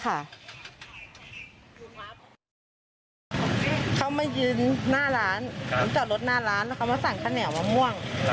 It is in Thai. เขามายืนหน้าร้านผมจอดรถหน้าร้านแล้วเขามาสั่งข้าวเหนียวมะม่วง